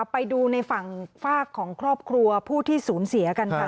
ไปดูในฝั่งฝากของครอบครัวผู้ที่สูญเสียกันค่ะ